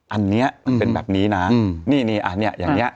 อันนี้มันเป็นแบบนี้นะนี่นี่อันนี้อย่างเงี้